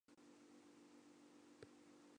家得宝董事局的现任成员包括布伦尼曼。